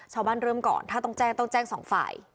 เริ่มก่อนถ้าต้องแจ้งต้องแจ้งสองฝ่าย